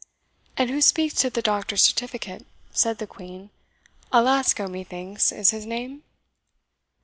"And who speaks to the Doctor's certificate?" said the Queen. "Alasco, methinks, is his name."